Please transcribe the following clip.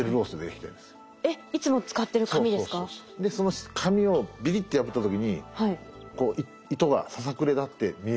その紙をビリッと破った時にこう糸がささくれだって見えるじゃないですか。